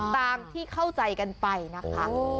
ตามที่เข้าใจกันไปนะคะ